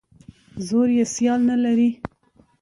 زور یې سیال نه لري.